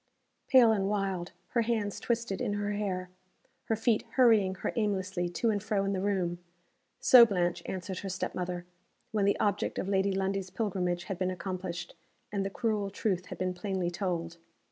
Pale and wild; her hands twisted in her hair; her feet hurrying her aimlessly to and fro in the room so Blanche answered her step mother, when the object of Lady Lundie's pilgrimage had been accomplished, and the cruel truth had been plainly told.